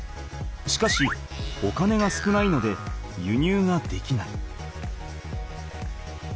しかしお金が少ないので輸入ができない。